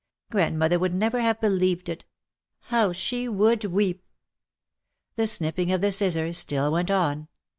Grand mother would never have believed it. How she would weep !" The snipping of the scissors still went on.